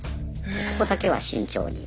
そこだけは慎重に。